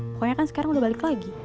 pokoknya kan sekarang udah balik lagi